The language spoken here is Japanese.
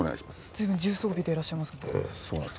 随分重装備でいらっしゃいます。